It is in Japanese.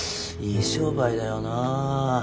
いい商売だよなあ。